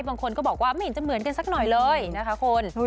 บางคนก็บอกว่าไม่เห็นจะเหมือนกันสักหน่อยเลยนะคะคุณ